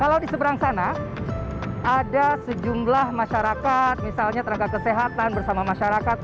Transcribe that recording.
kalau di seberang sana ada sejumlah masyarakat misalnya tenaga kesehatan bersama masyarakat